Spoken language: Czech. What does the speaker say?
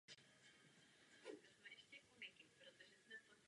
Cyklus zahrnuje okolo sta skladeb.